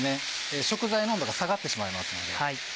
食材の温度が下がってしまいますので。